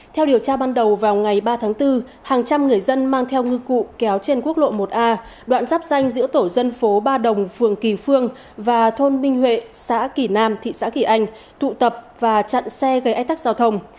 theo điều tra ban đầu vào ngày ba tháng bốn hàng trăm người dân mang theo ngư cụ kéo trên quốc lộ một a đoạn giáp danh giữa tổ dân phố ba đồng phường kỳ phương và thôn minh huệ xã kỳ nam thị xã kỳ anh tụ tập và chặn xe gây ách tắc giao thông